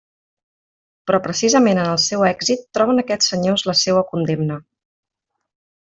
Però precisament en el seu èxit troben aquests senyors la seua condemna.